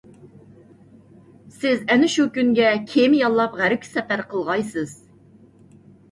سىز ئەنە شۇ كۈنگە كېمە ياللاپ غەربكە سەپەر قىلغايسىز.